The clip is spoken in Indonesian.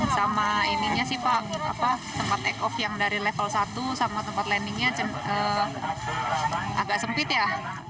sama tempat take off yang dari level satu sama tempat landingnya agak sempit ya